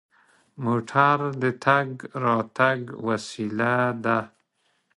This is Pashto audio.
موټر د تګ راتګ وسیله ده.